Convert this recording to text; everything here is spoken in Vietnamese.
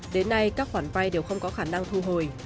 đến nay các khoản vay đều không có khả năng thu hồi